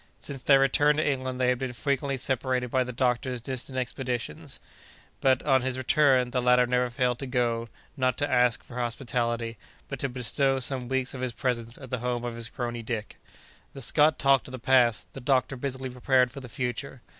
Since their return to England they had been frequently separated by the doctor's distant expeditions; but, on his return, the latter never failed to go, not to ask for hospitality, but to bestow some weeks of his presence at the home of his crony Dick. The Scot talked of the past; the doctor busily prepared for the future.